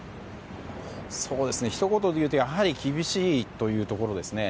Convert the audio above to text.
ひと言でいうと、やはり厳しいというところですね。